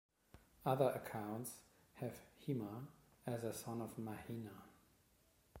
Other accounts have Hema as a son of Mahina.